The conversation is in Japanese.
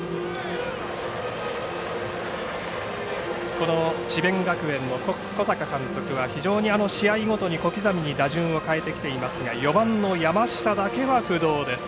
この智弁学園の小坂監督は非常に、試合ごとに小刻みに打順を変えてきていますが４番の山下だけは不動です。